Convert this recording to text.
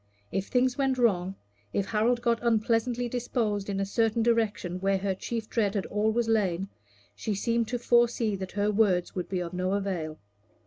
If things went wrong, if Harold got unpleasantly disposed in a certain direction where her chief dread had always lain, she seemed to foresee that her words would be of no avail.